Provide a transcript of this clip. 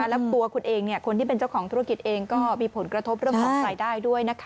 แล้วตัวคุณเองคนที่เป็นเจ้าของธุรกิจเองก็มีผลกระทบเรื่องของรายได้ด้วยนะคะ